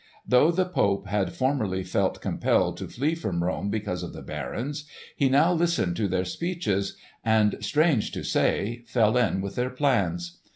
Though the Pope had formerly felt compelled to flee from Rome because of the barons, he now listened to their speeches and, strange to say, fell in with their plans.